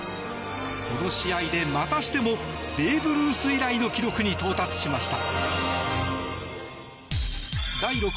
その試合で、またしてもベーブ・ルース以来の記録に到達しました。